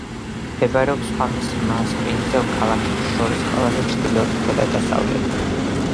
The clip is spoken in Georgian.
მდებარეობს სხვა მასპინძელ ქალაქებს შორის ყველაზე ჩრდილოეთითა და დასავლეთით.